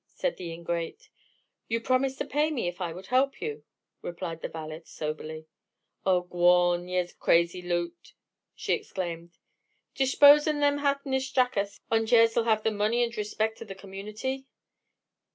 said the ingrate. "You promised to pay me if I would help you," replied the valet, soberly. "Ah, gwan, yez crazy loot!" she exclaimed. "Dishpose of thim hathenish jackasses, ond yez will have money ond th' rishpect of the community."